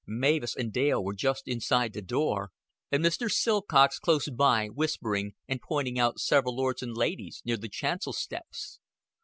Mavis and Dale were just inside the door; and Mr. Silcox close by, whispering, and pointing out several lords and ladies near the chancel steps.